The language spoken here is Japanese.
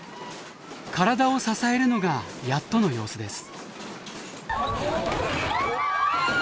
体を支えるのがやっとの様子です。